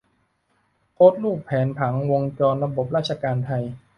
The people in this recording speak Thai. โพสรูปแผนผังวงจรระบบราชการไทย